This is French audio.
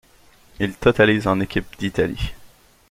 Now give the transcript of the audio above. Il totalise en équipe d'Italie.